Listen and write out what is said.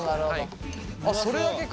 それだけか。